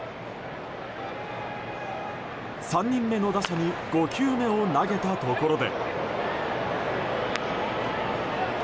３人目の打者に５球目を投げたところで。